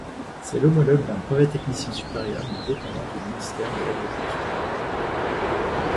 C'est l'homologue d'un brevet de technicien supérieur, mais dépendant du ministère de l’Agriculture.